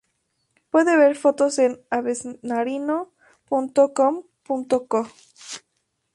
Puede ver fotos en avesnarino.com.co